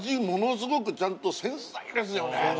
ものすごくちゃんと繊細ですよね